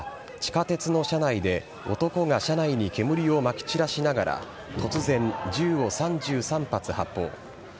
朝地下鉄の車内で男が車内に煙を撒き散らしながら突然、銃を３３発発砲。